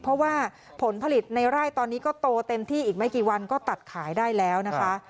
เพราะว่าผลผลิตในไร่ตอนนี้ก็โตเต็มที่อีกไม่กี่วันก็ตัดขายได้แล้วนะคะ